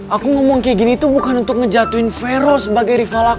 aku ngomong kayak gini tuh bukan untuk ngejatuhin vero sebagai rival aku